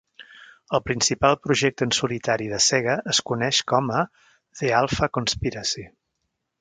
El principal projecte en solitari de Sega es coneix com a The Alpha Conspiracy.